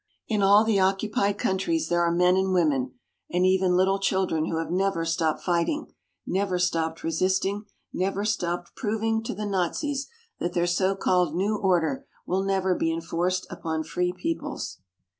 In all the occupied countries there are men and women, and even little children who have never stopped fighting, never stopped resisting, never stopped proving to the Nazis that their so called "New Order" will never be enforced upon free peoples.